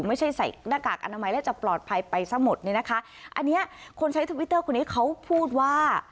ไม่ใช่ใส่หน้ากากอนามัยแล้วจะปลอดภัยไปซะหมดเนี่ยนะคะอันเนี้ยคนใช้ทวิตเตอร์คนนี้เขาพูดว่า